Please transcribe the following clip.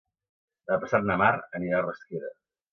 Demà passat na Mar anirà a Rasquera.